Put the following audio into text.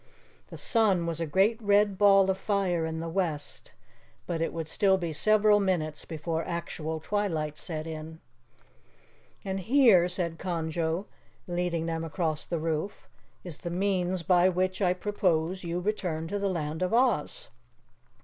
The sun was a great red ball of fire in the west, but it would still be several minutes before actual twilight set in. "And here," said Conjo, leading them across the roof, "is the means by which I propose you return to the Land of Oz."